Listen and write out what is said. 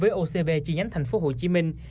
với ocb chi nhánh thành phố hồ chí minh